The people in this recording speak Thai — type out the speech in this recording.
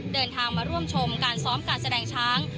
เดินทางมาร่วมชมการซ้อมการแสดงช้าง